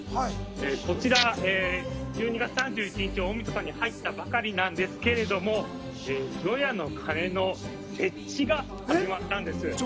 こちら、１２月３１日大みそかに入ったばかりなんですが除夜の鐘の設置が始まったんです。